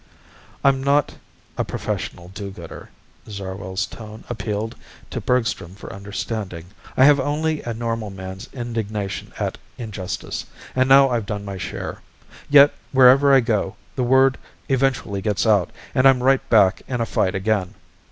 "I'm not a professional do gooder." Zarwell's tone appealed to Bergstrom for understanding. "I have only a normal man's indignation at injustice. And now I've done my share. Yet, wherever I go, the word eventually gets out, and I'm right back in a fight again.